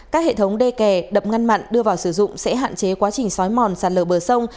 các hệ thống đê kè đập ngăn mặn đưa vào sử dụng sẽ hạn chế quá trình xói mòn sạt lở bờ sông